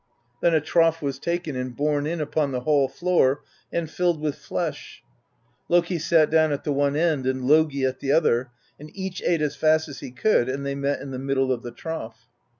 Then a trough was taken and borne in upon the hall floor and filled with flesh; Loki sat down at the one end and Logi at the other, and each ate as fast as he could, and they met in the middle of the trough.